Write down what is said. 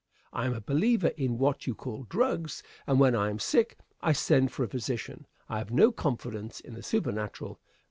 I am a believer in what you call "drugs," and when I am sick I send for a physician. I have no confidence in the supernatural.